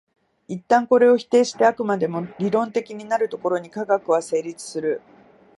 一旦これを否定して飽くまでも理論的になるところに科学は成立する。